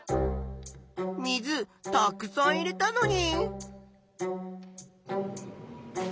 水たくさん入れたのに。